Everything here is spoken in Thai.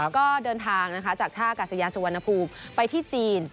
ก็เดินทางนะคะจากท่ากาศยานสุวรรณภูมิไปที่จีน